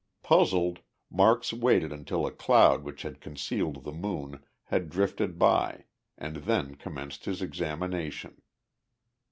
Puzzled, Marks waited until a cloud which had concealed the moon had drifted by, and then commenced his examination.